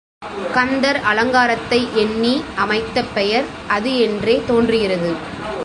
கந்தர் அலங்காரத்தை எண்ணி அமைத்த பெயர் அது என்றே தோன்றுகிறது.